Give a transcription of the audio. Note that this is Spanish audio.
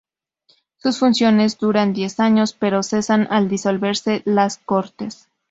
Sus funciones duran diez años, pero cesan al disolverse las Cortes.